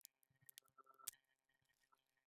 د اوبو لپاره ژوند اړین دی